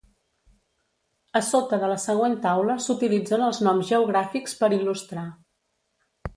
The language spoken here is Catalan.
A sota de la següent taula s'utilitzen els noms geogràfics per il·lustrar.